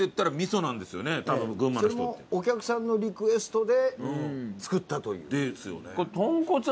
それもお客さんのリクエストで作ったという。